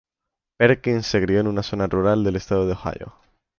Perkins se crio en una zona rural del estado de Ohio.